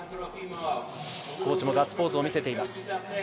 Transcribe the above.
コーチもガッツポーズを見せています。